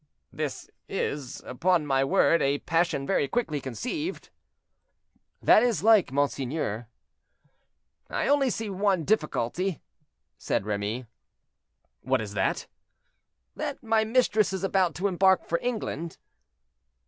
"This is, upon my word, a passion very quickly conceived." "That is like monseigneur." "I only see one difficulty," said Remy. "What is that?" "That my mistress is about to embark for England."